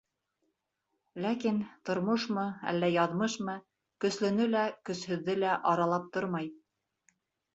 Ләкин тормошмо, әллә яҙмышмы көслөнө лә, көсһөҙҙө лә аралап тормай.